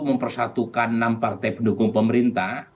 mempersatukan enam partai pendukung pemerintah